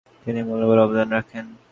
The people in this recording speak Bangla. তিনি মূল্যবান অবদান রাখেন।